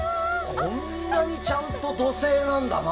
こんなにちゃんと土星なんだな。